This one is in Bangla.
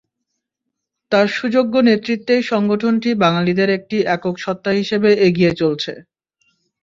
তার সুযোগ্য নেতৃত্বেই সংগঠনটি বাঙালিদের একটি একক সত্তা হিসেবে এগিয়ে চলছে।